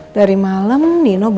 dari malam nino